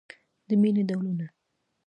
د مینې ډولونه